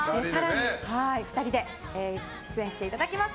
お二人で出演していただきます。